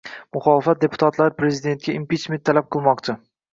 Muxolifat deputatlari prezidentga impichment talab qilmoqchi